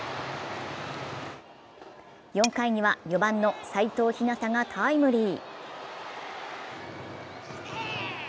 ４回には４番の斎藤陽がタイムリー。